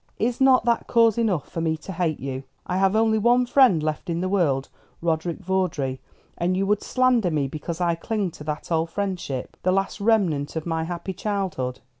Is not that cause enough for me to hate you? I have only one friend left in the world, Roderick Vawdrey. And you would slander me because I cling to that old friendship, the last remnant of my happy childhood."